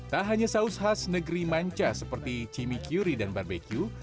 tak hanya saus khas negeri manca seperti chimichurri dan barbeque